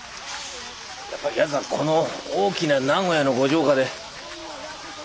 やっぱり奴はこの大きな名古屋のご城下で。